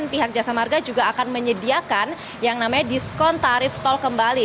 pihak jasa marga juga akan menyediakan yang namanya diskon tarif tol kembali